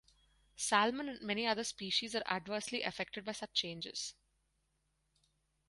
Salmon and many other species are adversely affected by such changes.